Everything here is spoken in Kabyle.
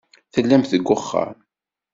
Tellamt deg uxxam.